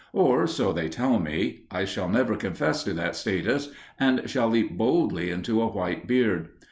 Or, so they tell me; I shall never confess to that status, and shall leap boldly into a white beard.